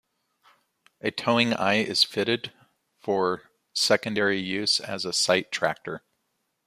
A towing eye is fitted for secondary use as a site tractor.